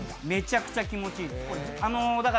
めちゃくちゃ気持ちいいです。